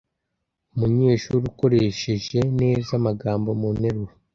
umunyeshuri akoreshe neza amagambo mu nteruro